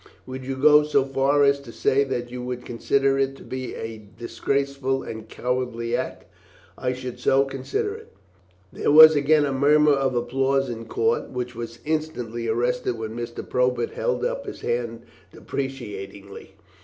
"Would you go so far as to say that you would consider it to be a disgraceful and cowardly act?" "I should so consider it." There was again a murmur of applause in court, which was instantly arrested when Mr. Probert held up his hand deprecatingly.